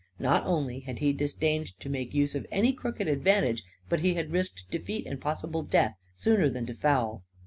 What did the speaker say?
Not only had he disdained to make use of any crooked advantage, but he had risked defeat and possible death sooner than to foul.